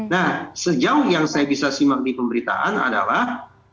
nah sejauh yang saya bisa simak di pemberitaan adalah